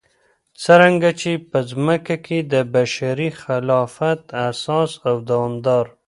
څرنګه چې په ځمكه كې دبشري خلافت اساس او دارمدار